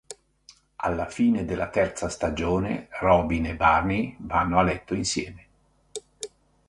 Alla fine della terza stagione, Robin e Barney vanno a letto insieme.